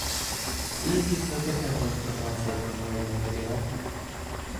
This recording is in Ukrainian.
Є якісь новини або інформація про новий матеріал?